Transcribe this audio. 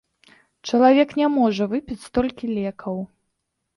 Чалавек не можа выпіць столькі лекаў.